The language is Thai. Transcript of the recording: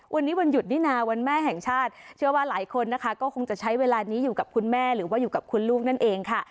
วันนี้วันหยุดนี่นะวันแม่แห่งชาติเชื่อว่าหลายคนนะคะก็คงจะใช้เวลานี้อยู่กับคุณแม่หรือว่าอยู่กับคุณลูกนั่นเองค่ะ